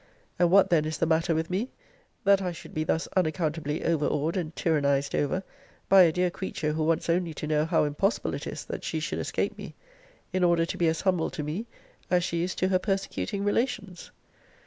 And what then is the matter with me, that I should be thus unaccountably over awed and tyrannized over by a dear creature who wants only to know how impossible it is that she should escape me, in order to be as humble to me as she is to her persecuting relations!